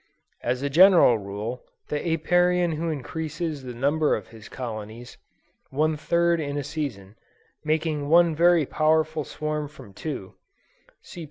As a general rule, the Apiarian who increases the number of his colonies, one third in a season, making one very powerful swarm from two, (See p.